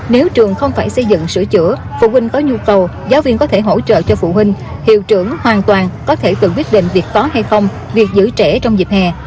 nếu trường không phải xây dựng sửa chữa phụ huynh có nhu cầu giáo viên có thể hỗ trợ cho phụ huynh hiệu trưởng hoàn toàn có thể tự quyết định việc có hay không việc giữ trẻ trong dịp hè